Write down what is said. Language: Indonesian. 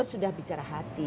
itu sudah bicara hati